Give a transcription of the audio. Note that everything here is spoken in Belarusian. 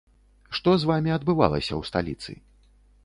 Што з вамі адбывалася ў сталіцы?